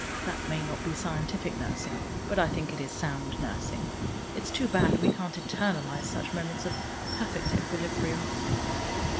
That may not be scientific nursing, but I think it is sound nursing. It's too bad we can't eternalize such moments of perfect equilibrium."